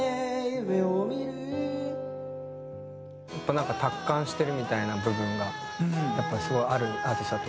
なんか達観してるみたいな部分がやっぱりすごいあるアーティストだと思うんですけど。